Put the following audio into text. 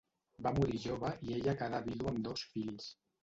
Va morir jove i ella quedà vídua amb dos fills.